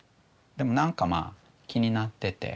でも何かまあ気になってて。